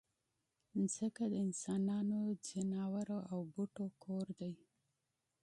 مځکه د انسانانو، حیواناتو او بوټو کور دی.